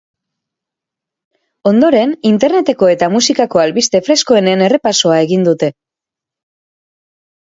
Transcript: Ondoren, interneteko eta musikako albiste freskoenen errepasoa egin dute.